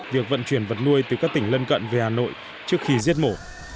việc vận chuyển vật nuôi từ các tỉnh lân cận về hà nội trước khi giết mổ